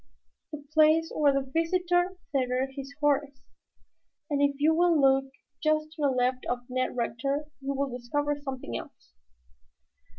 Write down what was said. "The place where the visitor tethered his horse. And if you will look just to the left of Ned Rector, you will discover something else."